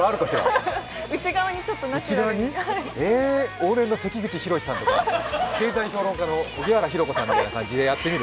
往年の関口宏さんとか、経済評論家の荻原博子さんみたいな感じでやってみる？